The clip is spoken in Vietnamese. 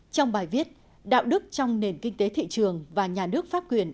trong bài viết đạo đức trong nền kinh tế thị trường và nhà nước pháp quyền